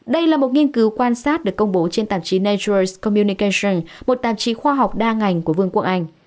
đây là một nghiên cứu quan sát được công bố trên tạp chí nature communication một tạp chí khoa học đa ngành của vương quốc anh